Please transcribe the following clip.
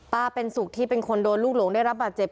เป็นสุขที่เป็นคนโดนลูกหลงได้รับบาดเจ็บ